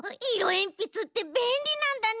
えんぴつってべんりなんだね。